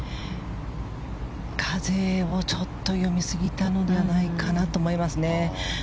風をちょっと読みすぎたんじゃないかなと思いますね。